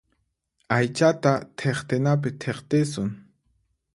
Aychata thiqtinapi thiqtisun.